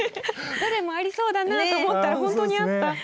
どれもありそうだなと思ったら本当にあった。